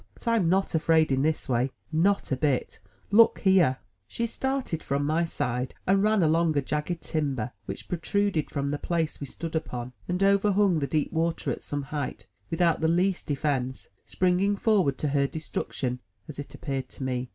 But I'm not afraid in this way. Not a bit. Look here!" io8 THE TREASURE CHEST 109 MY BOOK HOUSE She started from my side, and ran along a jagged timber which protruded from the place we stood upon, and overhung the deep water at some height, without the least defence, spring ing forward to her destruction (as it appeared to me).